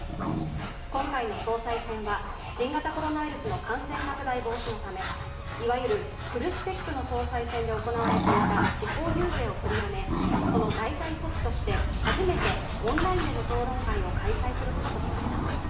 今回の総裁選は新型コロナウイルスの感染拡大防止のためいわゆるフルスペックの総裁選で行われていた地方遊説をとりやめ、その代替措置として初めてオンラインでの討論会を開催することとしました。